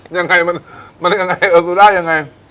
ยังไงมันยังไงเออซูล่ายังไง